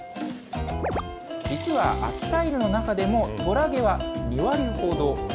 実は秋田犬の中でも、虎毛は２割ほど。